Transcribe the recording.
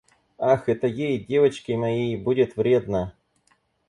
Ах, это ей, девочке моей, будет вредно!